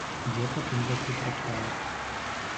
Ідзе па тым баку тратуара.